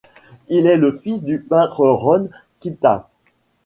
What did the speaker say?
Il est le fils du peintre Ron Kitaj.